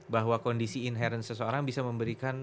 bahwa kondisi inherent seseorang bisa memberikan